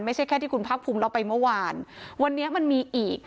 ไม่ใช่แค่ที่คุณภาคภูมิเราไปเมื่อวานวันนี้มันมีอีก